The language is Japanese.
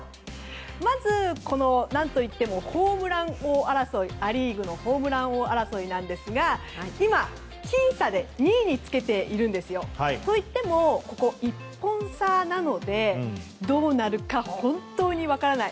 まず、何といってもア・リーグのホームラン王争いなんですが今、僅差で２位につけているんですよ。といってもここ、１本差なのでどうなるか本当に分からない。